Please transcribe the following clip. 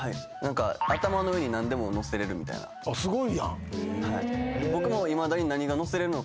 すごいやん。